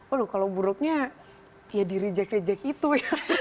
walu kalau buruknya ya di reject reject itu ya